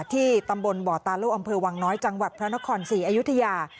ที่ตำบลบ่อตาโล่อำเภอวังน้อยจังหวัดพระนครศรีอยุธยา